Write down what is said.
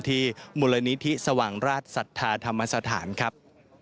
ที่มูลนิธิสว่างราชศรัทธาธรรมสถานครับ